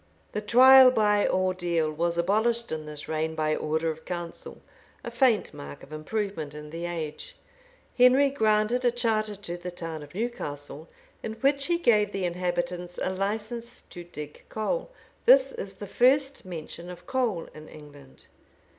The trial by ordeal was abolished in this reign by order of council; a faint mark of improvement in the age.[*] Henry granted a charter to the town of Newcastle, in which he gave the inhabitants a license to dig coal. This is the first mention of coal in England.